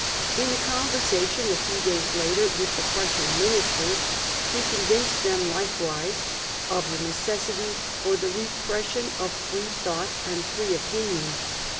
In a con versation a few days later with the Prussian ministers, he convinced them likewise of the necessity for the repression of free thought and free opinion.